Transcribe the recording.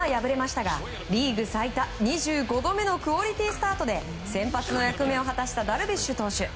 試合には敗れましたがリーグ最多２５度目のクオリティースタートで先発の役目を果たしたダルビッシュ投手。